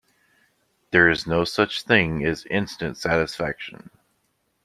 There is no such thing as instant satisfaction.